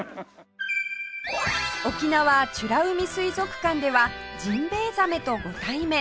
沖縄美ら海水族館ではジンベイザメとご対面！